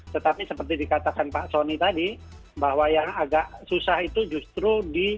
tetapi seperti dikatakan pak soni tadi bahwa yang agak susah itu justru di